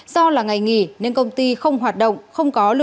do là ngày nghỉ nên công ty không hoạt động